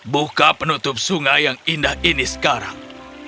buka penutup sungai yang indah ini sekarang